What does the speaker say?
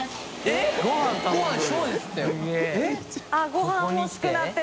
ごはん欲しくなってる。